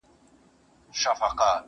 ځيني يې لوړ هنر بولي تل.